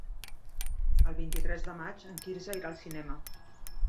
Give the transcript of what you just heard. El vint-i-tres de maig en Quirze irà al cinema.